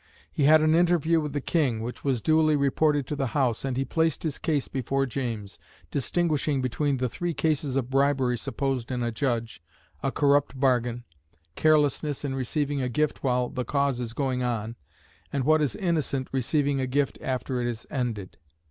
He had an interview with the King, which was duly reported to the House, and he placed his case before James, distinguishing between the "three cases of bribery supposed in a judge a corrupt bargain; carelessness in receiving a gift while the cause is going on; and, what is innocent, receiving a gift after it is ended."